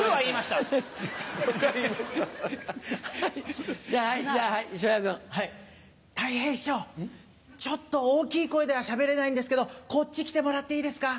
たい平師匠ちょっと大きい声ではしゃべれないんですけどこっち来てもらっていいですか？